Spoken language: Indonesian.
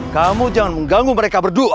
kamu jangan mengganggu mereka berdua